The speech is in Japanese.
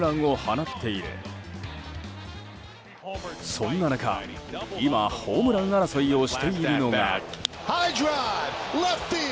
そんな中、今ホームラン争いをしているのが。